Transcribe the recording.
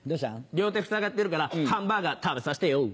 両手ふさがってるからハンバーガー食べさせてよ。